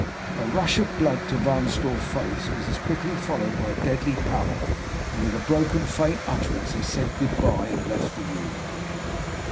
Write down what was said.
A rush of blood to Wahnsdorf's face was as quickly followed by a deadly pallor, and with a broken, faint utterance he said, "Good bye," and left the room.